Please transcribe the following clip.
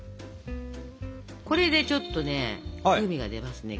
これでちょっとね風味が出ますね